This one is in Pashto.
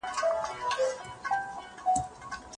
زوی د ساعتونو بازار ته روان و.